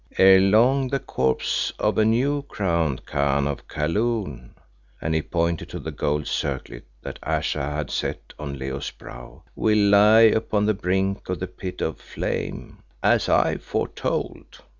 'Ere long the corpse of a new crowned Khan of Kaloon,'" and he pointed to the gold circlet that Ayesha had set on Leo's brow, "'will lie upon the brink of the Pit of Flame' as I foretold."